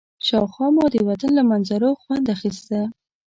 شاوخوا مو د وطن له منظرو خوند اخيسته.